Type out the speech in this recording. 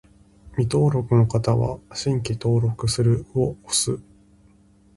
未登録の方は、「新規登録する」を押す